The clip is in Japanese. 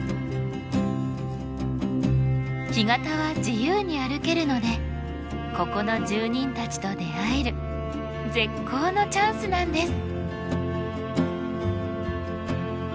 干潟は自由に歩けるのでここの住人たちと出会える絶好のチャンスなんです。